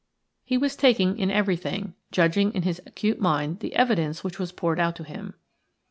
He was taking in everything, judging in his acute mind the evidence which was poured out to him.